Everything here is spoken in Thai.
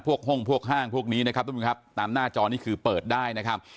ห้องพวกห้างพวกนี้นะครับทุกผู้ชมครับตามหน้าจอนี่คือเปิดได้นะครับ